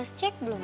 mas cek belum mas